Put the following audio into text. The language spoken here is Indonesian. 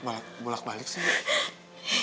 ini bolak balik sih